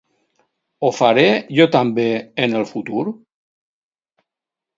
¿Ho faré, jo també, en el futur?